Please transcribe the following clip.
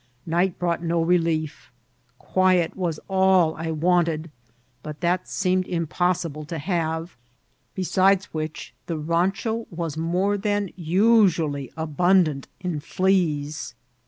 Ni^t brought no relief Qniet was all I wanted^ bnt tliat it seemed inqpoanUe to hare ; be sides wUoh, tfie ranohowas more than usually abundant in fleas.